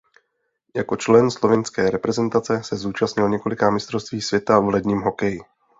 Jako člen slovinské reprezentace se zúčastnil několika mistrovství světa v ledním hokeji.